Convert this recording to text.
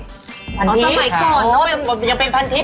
สมัยก่อนเนอะยังเป็นพันทิพ